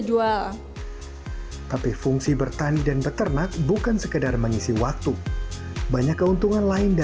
jual tapi fungsi bertanian dan peternak bukan sekedar mengisi waktu banyak keuntungan lainnya